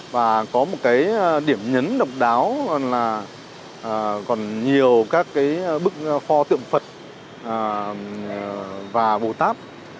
và có một điểm nhấn độc đáo là còn nhiều các bức kho tượng phật và bồ tát